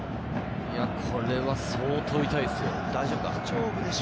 これは相当痛いですよ。